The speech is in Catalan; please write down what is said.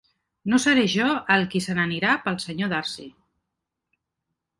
No seré jo el qui se n'anirà pel senyor Darcy.